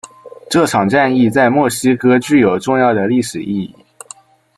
这场战役在墨西哥具有重要的历史意义。